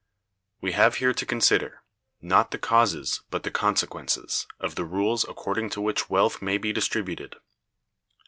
We have here to consider, not the causes, but the consequences, of the rules according to which wealth may be distributed.